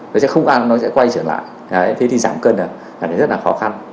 nó sẽ không ăn nó sẽ quay trở lại thế thì giảm cân là rất là khó khăn